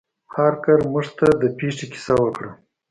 هارکر موږ ته د پیښې کیسه وکړه.